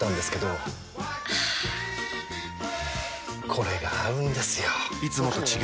これが合うんですよ！